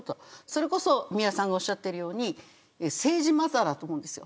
それこそ三浦さんがおっしゃっているように政治マターだと思っているんです。